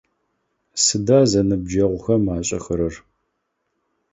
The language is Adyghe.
Сыда зэныбджэгъухэм ашӏэхэрэр?